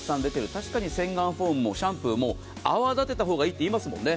確かに洗顔フォームもシャンプーも泡立てたほうがいいといいますよね。